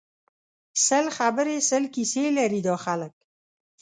سل خبری سل کیسی لري دا خلک